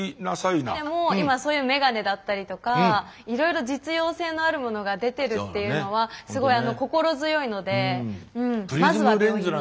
もう今そういう眼鏡だったりとかいろいろ実用性のあるものが出てるっていうのはすごい心強いのでまずは病院に。